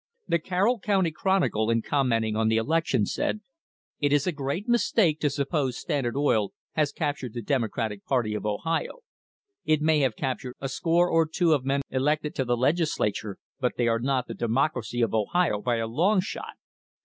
'" The Carroll County Chronicle in commenting on the election said: "It is a great mistake to suppose Standard Oil has captured the Democratic party of Ohio. It may have captured a score or two of men elected to the Legislature, but they are not the Democracy of Ohio by a long shot.